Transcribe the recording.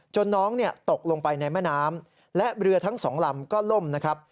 น้องตกลงไปในแม่น้ำและเรือทั้งสองลำก็ล่มนะครับ